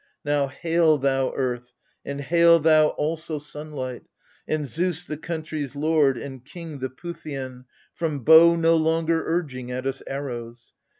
Now, hail thou earth, and hail thou also, sunlight, And Zeus, the country's lord, and king the Puthian AGAMEMNON. 43 From bow no longer urging at us arrows